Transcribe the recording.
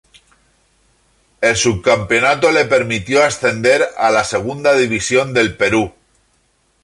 El subcampeonato le permitió ascender a la Segunda División del Perú.